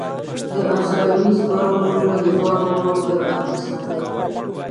د افسانوي زمرو نومونه د ځواک او جرئت مثال دي.